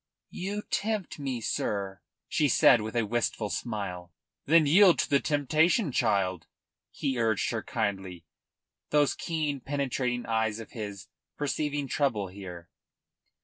"You tempt me, sir," she said, with a wistful smile. "Then yield to the temptation, child," he urged her kindly, those keen, penetrating eyes of his perceiving trouble here.